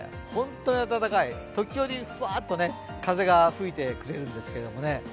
本当に暖かい時折ふわっと風が吹いてくれるんですけどね。